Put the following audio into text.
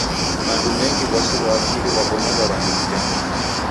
Mando mengi w'asi ghwa akili ghwabonyagha w'andu w'itengo.